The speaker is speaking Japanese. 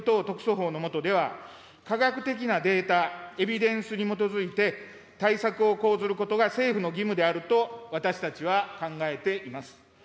特措法の下では、科学的なデータ、エビデンスに基づいて、対策を講ずることが政府の義務であると私たちは考えています。